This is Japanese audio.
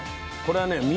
これはね